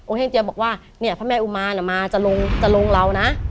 องค์เฮ่งเจียบอกว่าเนี่ยพระแม่อุมานะมาจะลงเรานะ